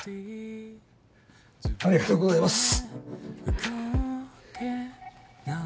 ありがとうございます。